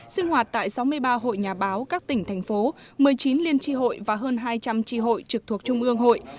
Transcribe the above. sinh hoạt tại sáu mươi ba hội nhà báo các tỉnh thành phố một mươi chín liên tri hội và hơn hai trăm linh tri hội trực thuộc trung ương hội